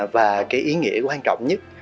và cái ý nghĩa quan trọng nhất